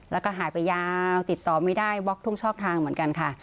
แล้วก็หายไปยาวติดต่อไม่ได้บล็อกทุกช่องทางเหมือนกันค่ะ